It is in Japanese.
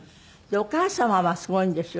お母様はすごいんですよ。